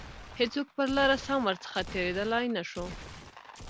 هیڅوک پر لاره سم ورڅخه تیریدلای نه شو.